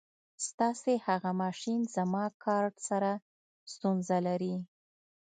ستاسې هغه ماشین زما کارټ سره ستونزه لري.